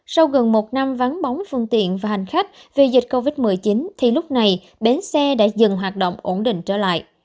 sau gần một năm vắng bóng phương tiện và hành khách vì dịch covid một mươi chín thì lúc này bến xe đã dừng hoạt động ổn định trở lại